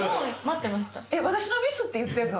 私のミスって言ってんの？